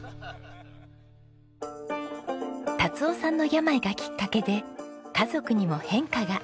達雄さんの病がきっかけで家族にも変化が。